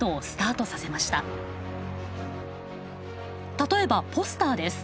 例えばポスターです。